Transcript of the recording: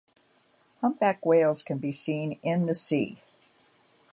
Humpback whales can be seen in the sea.